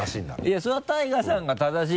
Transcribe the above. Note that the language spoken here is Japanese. いやそれはＴＡＩＧＡさんが正しいですよ。